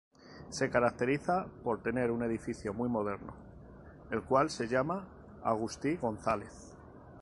Se caracteriza por tener un edificio muy moderno, el cual se llama Agustí González.